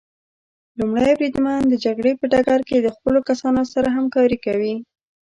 لومړی بریدمن د جګړې په ډګر کې د خپلو کسانو سره همکاري کوي.